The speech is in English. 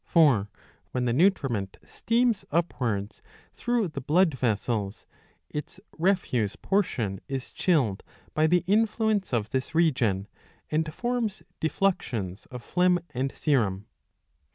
For when the nutriment steams upwards through the blood vessels, its refuse portion is chilled by the influence of this region, and forms defluxions of phlegm and serum.